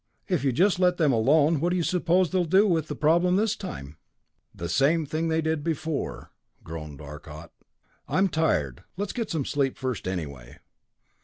If you just let them alone, what do you suppose they'll do with the problem this time?" "The same thing they did before," Arcot groaned. "I'm tired. Let's get some sleep first, anyway."